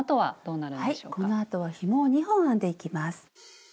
このあとはひもを２本編んでいきます。